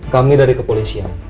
kami dari kepolisian